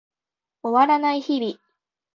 終わらない日々